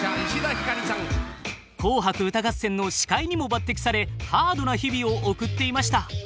「紅白歌合戦」の司会にも抜てきされハードな日々を送っていました。